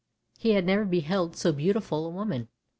He had never beheld so beautiful a woman.